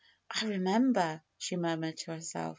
remember," she murmured to herself.